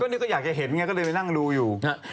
นี่ก็อยากจะเห็นไงก็เลยไปนั่งดูอยู่